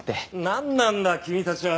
なんなんだ君たちは！